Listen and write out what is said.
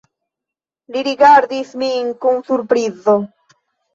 Li rigardis min kun surprizo.